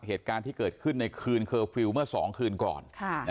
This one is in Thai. เหตุการณ์ที่เกิดขึ้นในคืนเคอร์ฟิลล์เมื่อ๒คืนก่อน